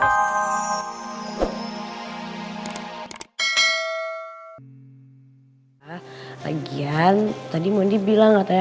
ya gue siap siap dulu assalamualaikum